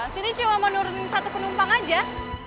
sini cuma mau nurunin satu penumpang aja